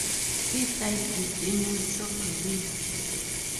He died within weeks of release.